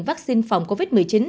vaccine phòng covid một mươi chín